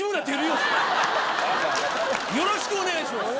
よろしくお願いします。